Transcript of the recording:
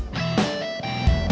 siapa sih k city